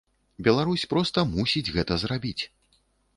Беларусь проста мусіць гэта зрабіць.